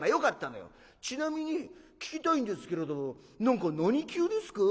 『ちなみに聞きたいんですけれど何級ですか？